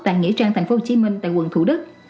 tại nghĩa trang tp hcm tại quận thủ đức